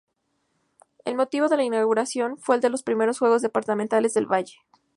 El motivo de la inauguración fue el de los Primeros Juegos Departamentales del Valle.